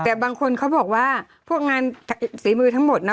แต่บางคนเขาบอกว่าพวกงานฝีมือทั้งหมดนะ